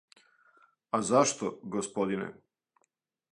А зашто, господине?